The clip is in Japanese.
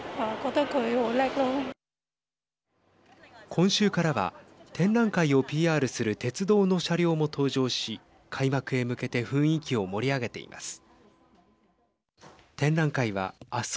今週からは展覧会をＰＲする鉄道の車両も登場し開幕へ向けて雰囲気を盛り上げています。